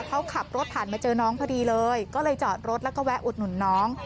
เขาขับรถผ่านมาเจอน้องพอดีเลยก็เลยจอดรถแล้วก็แวะอุดหนุนน้อง